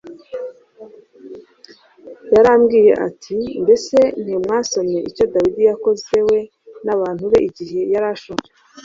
Yarababwiye at; : "Mbese ntimwasomye icyo Dawidi yakoze we n'abantu be igihe yari ashonje,